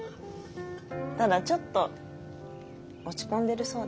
ただちょっと落ち込んでるそうで。